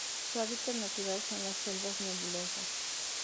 Su hábitat natural son las selvas nebulosas.